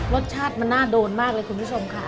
รสชาติมันน่าโดนมากเลยคุณผู้ชมค่ะ